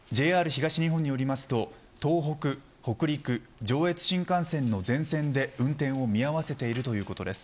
ＪＲ東日本によりますと東北、北陸、上越新幹線の全線で運転を見合わせているということです。